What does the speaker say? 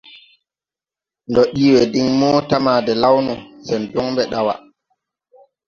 Ndo dii we din mota ma de law no, sen joŋ mbɛ dawa.